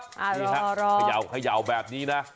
นี่ค่ะขยาวแบบนี้นะ